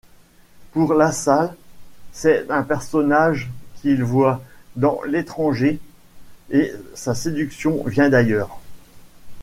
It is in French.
Pour Lassalle, c'est un personnage qu'il voit dans l'étranger et sa séduction vient d'ailleurs.